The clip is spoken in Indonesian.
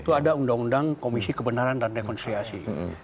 undang undang komisi kebenaran dan rekonsiliasi